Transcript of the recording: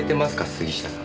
杉下さん。